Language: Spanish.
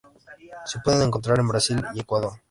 Se pueden encontrar en Brasil y Ecuador.